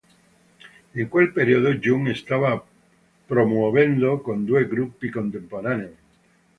In quel periodo Jung stava promuovendo con due gruppi contemporaneamente.